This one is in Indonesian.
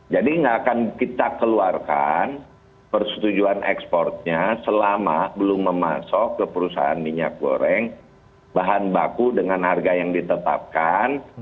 jadi tidak akan kita keluarkan persetujuan ekspornya selama belum memasok ke perusahaan minyak goreng bahan baku dengan harga yang ditetapkan